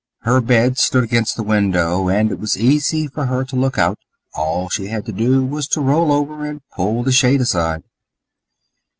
Her bed stood against the window, and it was easy for her to look out; all she had to do was to roll over and pull the shade aside.